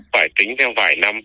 phải tính theo vài năm